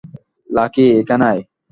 Lucky, এখানে আয়।